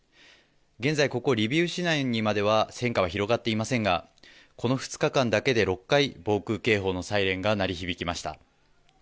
現在、ここリビウ市内にまでは戦火は広がっていませんが、この２日間だけで６回、防空警報のサイレンが鳴り響きました。